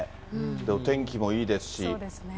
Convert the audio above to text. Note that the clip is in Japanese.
お天気もいいですし。